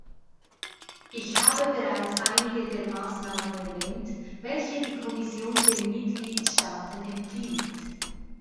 Ich habe bereits einige der Maßnahmen erwähnt, welche die Kommission den Mitgliedstaaten empfiehlt.